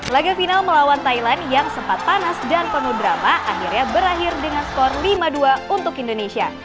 laga final melawan thailand yang sempat panas dan penuh drama akhirnya berakhir dengan skor lima dua untuk indonesia